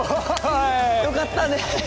よかったね！